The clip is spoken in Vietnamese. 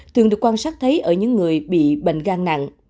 thường được quan sát thấy ở những người bị bệnh gan nặng